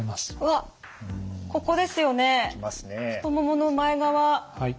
わっここですよね太ももの前側。